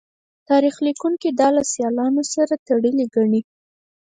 تاریخ لیکوونکي دا له سیالانو سره تړلې ګڼي